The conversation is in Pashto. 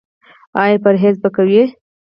ایا پرهیز به کوئ؟